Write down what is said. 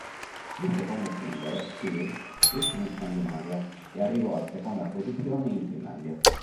Il secondo singolo "Chill" uscì in Scandinavia e arrivò alla seconda posizione in Finlandia.